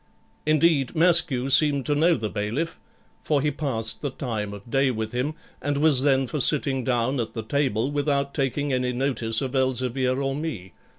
Indeed, Maskew seemed to know the bailiff, for he passed the time of day with him, and was then for sitting down at the table without taking any notice of Elzevir or me.